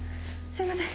すいません。